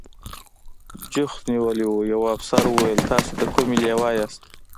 جوخت نیولي و، یوه افسر وویل: تاسې د کومې لوا یاست؟